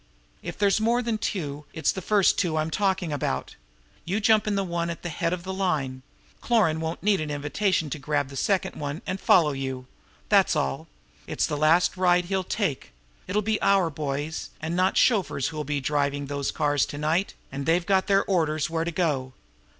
If there's more than two, it's the first two I'm talking about. You jump into the one at the head of the line. Cloran won't need any invitation to grab the second one and follow you. That's all! It's the last ride he'll take. It'll be our boys, and not chauffeurs, who'll be driving those cars to night, and they've got their orders where to go.